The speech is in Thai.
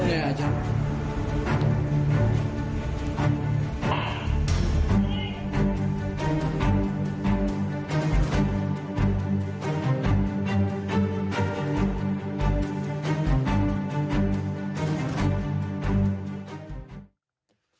อืม